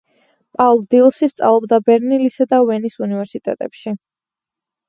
პაულ დილსი სწავლობდა ბერლინისა და ვენის უნივერსიტეტებში.